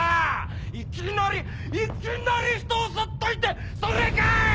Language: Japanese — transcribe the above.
いきなりいきなりひとを襲っといてそれかい！